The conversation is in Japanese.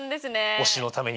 推しのためには。